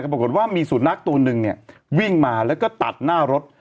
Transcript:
ปรากฏว่ามีสุนัขตัวหนึ่งเนี่ยวิ่งมาแล้วก็ตัดหน้ารถ